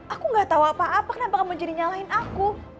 aku gak tau apa apa kenapa kamu jadi nyalahin aku